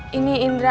kok wujud mau kerjain